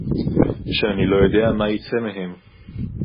שאני לא יודע מה יצא מהם